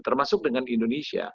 termasuk dengan indonesia